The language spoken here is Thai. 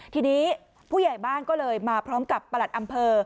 ทีนี้ผู้ใหญ่บ้านก็เลยมาพร้อมกับประหลัดอำเภอ